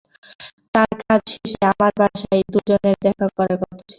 তার কাজ শেষে আমার বাসায় দুজনের দেখা করার কথা ছিলো।